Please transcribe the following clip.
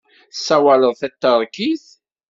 Tessawaleḍ taṭerkit?